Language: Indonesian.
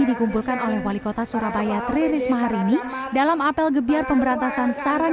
dikumpulkan oleh wali kota surabaya tri risma hari ini dalam apel gebiar pemberantasan saran